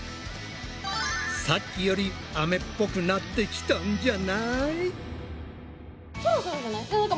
さっきよりアメっぽくなってきたんじゃない？